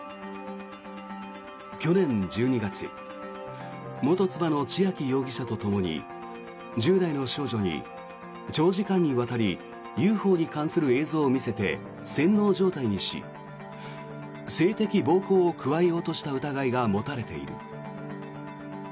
去年１２月元妻の千秋容疑者とともに１０代の少女に長時間にわたりＵＦＯに関する映像を見せて洗脳状態にし性的暴行を加えようとした疑いが持たれている。